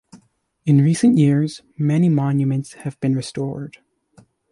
In recent years, many monuments have been restored.